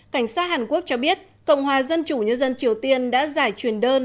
cảnh sát hàn quốc cho biết cộng hòa dân chủ nhân dân triều tiên đã giải truyền đơn